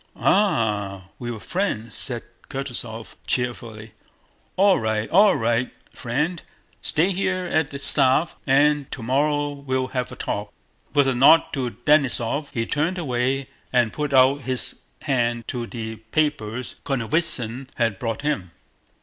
"Ah, we were friends," said Kutúzov cheerfully. "All right, all right, friend, stay here at the staff and tomorrow we'll have a talk." With a nod to Denísov he turned away and put out his hand for the papers Konovnítsyn had brought him.